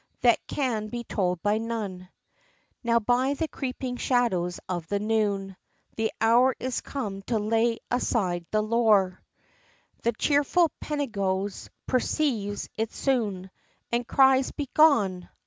that can be told by none. XXVI. Now by the creeping shadows of the noon, The hour is come to lay aside their lore; The cheerful Pedagogue perceives it soon, And cries, "Begone!"